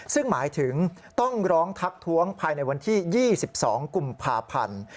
ซึ่งหมายถึงต้องร้องทักท้วงภายในวันที่๒๒กุมภาพันธ์